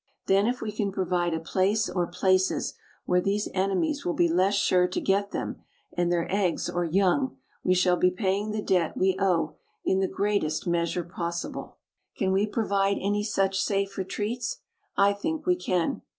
Then if we can provide a place or places where these enemies will be less sure to get them and their eggs or young, we shall be paying the debt we owe in the greatest measure possible. Can we provide any such safe retreats? I think we can.